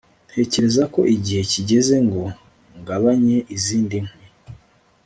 ntekereza ko igihe kigeze ngo ngabanye izindi nkwi